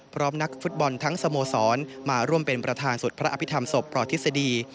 นักฟุตบอลทั้งสโมสรมาร่วมเป็นประธานสวดพระอภิษฐรรศพปลทฤษฎี